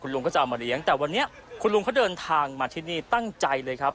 ลุงก็จะเอามาเลี้ยงแต่วันนี้คุณลุงเขาเดินทางมาที่นี่ตั้งใจเลยครับ